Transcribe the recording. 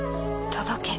届け。